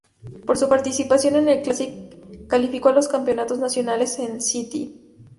Por su participación en el Classic, calificó a los Campeonatos Nacionales en St.